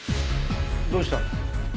どうしたの？